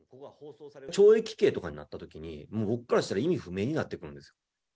懲役刑とかになったときに、もう僕からしたら意味不明になってくるんですよ。